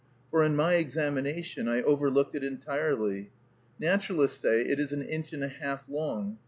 for in my examination I overlooked it entirely. Naturalists say it is an inch and a half long.